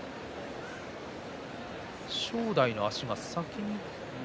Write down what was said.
正代の足が先に。